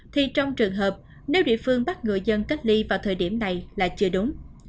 thì trong trường hợp nếu địa phương bắt người dân cách ly vào thời điểm này là chưa đúng